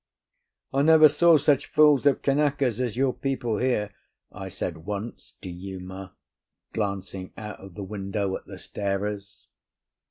"I never saw such fools of Kanakas as your people here," I said once to Uma, glancing out of the window at the starers.